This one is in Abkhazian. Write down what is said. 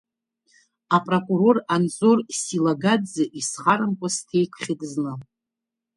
Апрокурор Анзор Силагаӡе исхарамкәа сҭеикхьеит зны.